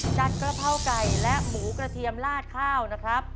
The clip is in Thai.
กระเพราไก่และหมูกระเทียมลาดข้าวนะครับ